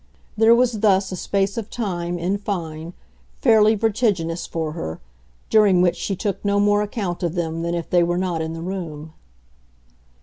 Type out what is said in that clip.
There was thus a space of time, in fine, fairly vertiginous for her, during which she took no more account of them than if they were not in the room.